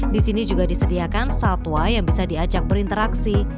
di sini juga disediakan satwa yang bisa diajak berinteraksi